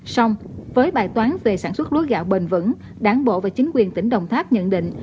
xong với bài toán về sản xuất lúa gạo bền vững đảng bộ và chính quyền tỉnh đồng tháp nhận định